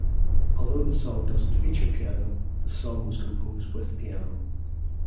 Although the song doesn't feature piano, the song was composed with piano.